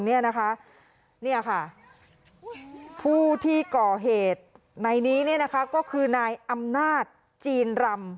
นี่ค่ะผู้ที่ก่อเหตุในนี้ก็คือนายอำนาจจีนรำ